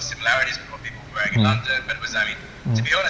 aku kena kaget karena ada banyak kebedaan di london